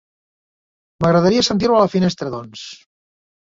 M'agradaria sentir-ho a la finestra, doncs.